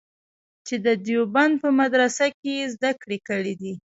چې د دیوبند په مدرسه کې یې زده کړې کړې دي.